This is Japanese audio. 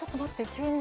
急に。